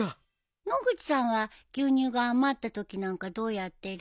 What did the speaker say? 野口さんは牛乳が余ったときなんかどうやってる？